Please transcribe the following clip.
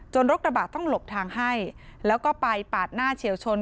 รถกระบะต้องหลบทางให้แล้วก็ไปปาดหน้าเฉียวชน